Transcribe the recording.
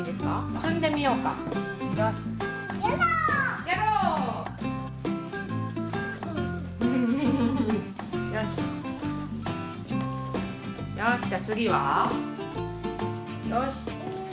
よし。